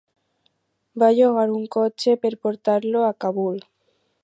Va llogar un cotxe per portar-lo a Kabul.